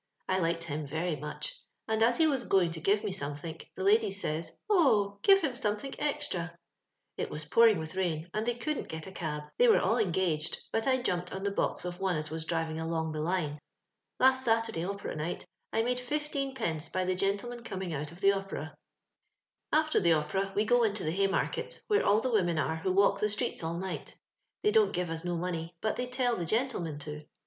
I liked him vsfy mucbf and as he was going to give me somethink the ladies says —* Oh, give him eomethiuk extra I ' It wae pouriug with rain, and tbej couldn't get a cab ; thev were ilU eugnged^ but I jaTTtprd ou the box of on a OS was dn^ing oIoljij i}u> Hue, Last Saturday Opera night I miidt> fifteen pence; by the gen^ tJemen coming &om the Op€iiL. ^ Aft^r the Oper&we go into the Hajmaiket, where all the women arie who walk the streets all night. They don't give us no money, but they tell the gentlemi'U to.